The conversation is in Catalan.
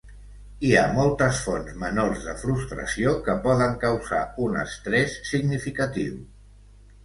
Hi ha moltes fonts menors de frustració que poden causar un estrès significatiu.